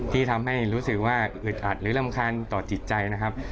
ที่ทำให้รู้สึกว่าอึดอัดหรือรำคาญต่อจิตใจนะครับ